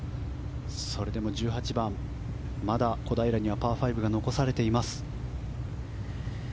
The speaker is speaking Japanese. それでも１８番、まだ小平にはパー５が残されています。